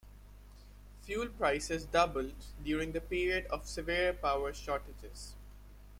Fuel prices doubled during the period of severe power shortages.